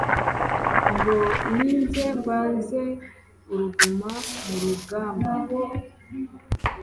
Ngo ninze mbanze uruguma mu rugamba